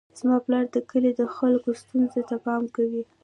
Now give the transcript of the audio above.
زما پلار د کلي د خلکو ستونزو ته پام کوي.